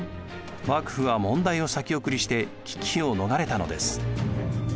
幕府は問題を先送りして危機を逃れたのです。